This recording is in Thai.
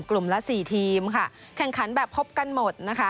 กลุ่มและ๔ทีมแข่งขันแบบพบกันหมด